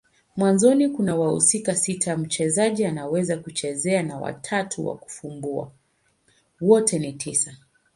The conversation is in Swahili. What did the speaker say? Mwanzoni kuna wahusika sita mchezaji anaweza kuchezea na watatu wa kufumbua. Wote ni tisa.